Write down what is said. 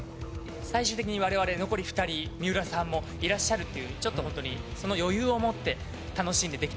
最終的に我々残り２人三浦さんもいらっしゃるっていうのでちょっとホントに余裕を持って楽しんでできたらなと思います。